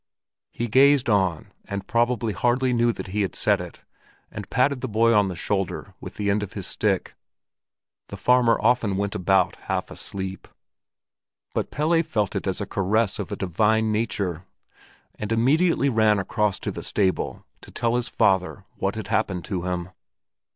He gazed on, and probably hardly knew that he had said it and patted the boy on the shoulder with the end of his stick; the farmer often went about half asleep. But Pelle felt it as a caress of a divine nature, and immediately ran across to the stable to tell his father what had happened to him.